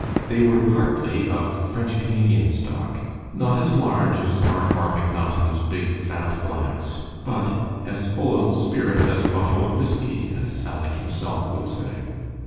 They were partly of French Canadian stock, not as large as Farquhar McNaughton's big, fat blacks, but "as full of spirit as a bottle of whisky," as Aleck himself would say.